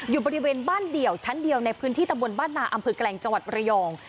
อยู่บริเวณบ้านเดี่ยวชั้นเดียวในพื้นที่ตำบลบ้านนาอำเภอแกลงจังหวัดระยอง